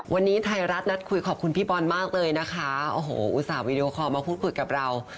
วันนี้ไทยรัฐนัดคุยขอบคุณพี่บอลมากเลยนะคะโอ้โหอุตส่าหวีดีโอคอลมาพูดคุยกับเรา